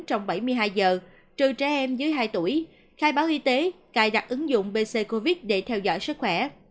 trong bảy mươi hai giờ trừ trẻ em dưới hai tuổi khai báo y tế cài đặt ứng dụng bc covid để theo dõi sức khỏe